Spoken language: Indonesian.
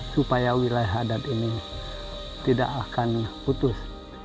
supaya wilayah adat ini tidak akan putus